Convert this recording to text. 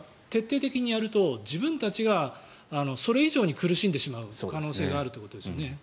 徹底的にやると自分たちがそれ以上に苦しんでしまう可能性があるということですね。